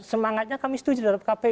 semangatnya kami setuju terhadap kpu lho